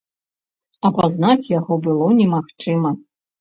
Апазнаць яго было немагчыма.